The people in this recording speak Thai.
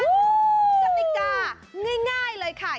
กติกาง่ายเลยค่ะ